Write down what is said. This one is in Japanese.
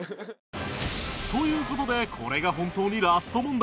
という事でこれが本当にラスト問題